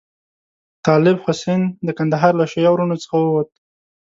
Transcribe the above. طالب حسین د کندهار له شیعه وروڼو څخه وو.